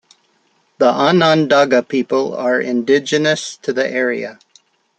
The Onondaga people are indigenous to the area.